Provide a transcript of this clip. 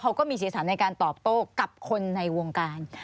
เขาก็มีสีสันในการตอบโต้กับคนในวงการ